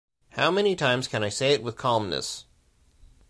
How many times I can say it with calmness?